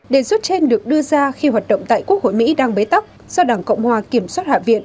đề xuất trên được đưa ra khi hoạt động tại quốc hội mỹ đang bế tắc do đảng cộng hòa kiểm soát hạ viện